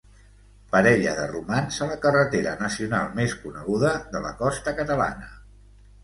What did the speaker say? Parella de romans a la carretera nacional més coneguda de la costa catalana.